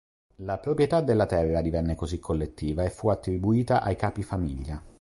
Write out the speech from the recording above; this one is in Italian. La proprietà della terra divenne così collettiva e fu attribuita ai capifamiglia.